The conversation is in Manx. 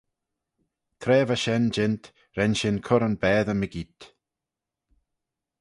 Tra va shen jeant ren shin cur yn baatey mygeayrt.